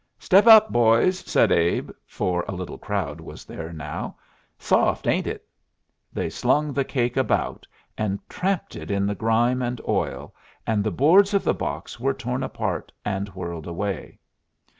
"Step up, boys," said Abe, for a little crowd was there now. "Soft, ain't it?" They slung the cake about and tramped it in the grime and oil, and the boards of the box were torn apart and whirled away.